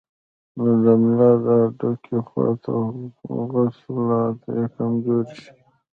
نو د ملا د هډوکي خواته عضلات ئې کمزوري شي